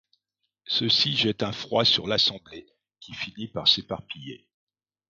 Ceci jette un froid sur l’assemblée qui finit par s’éparpiller.